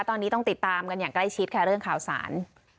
ตอนนี้ต้องติดตามกันอย่างใกล้ชิดค่ะเรื่องข่าวสาร